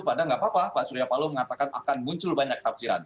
padahal nggak apa apa pak surya paloh mengatakan akan muncul banyak tafsiran